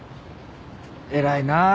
偉いな。